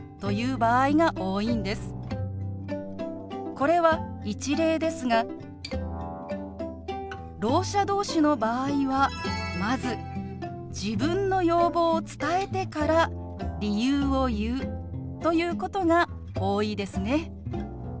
これは一例ですがろう者同士の場合はまず自分の要望を伝えてから理由を言うということが多いですね。